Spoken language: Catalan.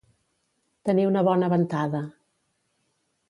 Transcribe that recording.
Tenir una bona ventada.